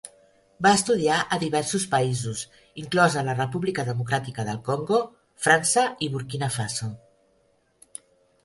Va estudiar a diversos països, inclosa la República Democràtica del Congo, França, i Burkina Faso.